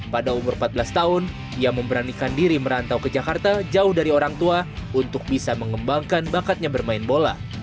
pada umur empat belas tahun ia memberanikan diri merantau ke jakarta jauh dari orang tua untuk bisa mengembangkan bakatnya bermain bola